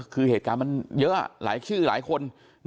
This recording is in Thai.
คือเหตุการณ์มันเยอะหลายชื่อหลายคน